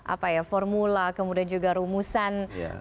apa ya formula kemudian juga rumusan